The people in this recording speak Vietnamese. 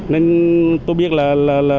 nên tôi biết là